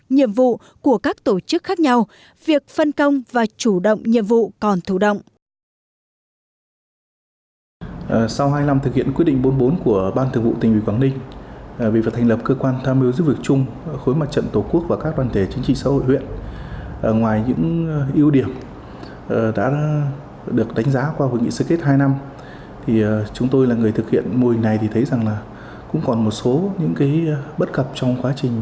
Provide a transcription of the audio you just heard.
nhiệm vụ của các tổ chức khác nhau việc phân công và chủ động nhiệm vụ còn thủ động